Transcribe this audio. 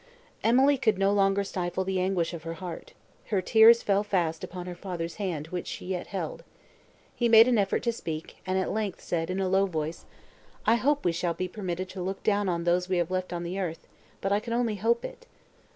Emily could no longer stifle the anguish of her heart; her tears fell fast upon her father's hand, which she yet held. He made an effort to speak, and at length said in a low voice, "I hope we shall be permitted to look down on those we have left on the earth, but I can only hope it.